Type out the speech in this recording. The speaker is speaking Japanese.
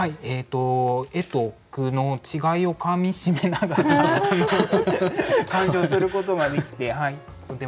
絵と句の違いをかみしめながら鑑賞することができてとても楽しかったです。